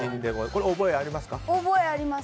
これ覚えありますか？